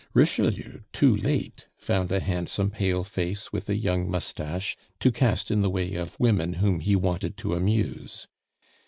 Richelieu, too late, found a handsome pale face with a young moustache to cast in the way of women whom he wanted to amuse.